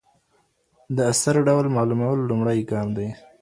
د اثر ډول معلومول لومړی ګام دئ.